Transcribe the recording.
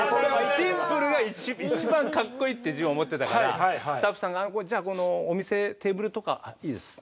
シンプルが一番かっこいいって自分は思ってたからスタッフさんが「じゃあこのお店テーブルとか」。「あっいいです。